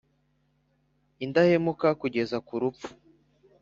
Indahemuka kugeza ku rupfu